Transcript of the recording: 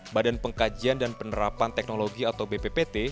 badan pengkajian dan penerapan teknologi atau bppt